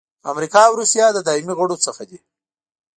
امریکا او روسیه د دایمي غړو څخه دي.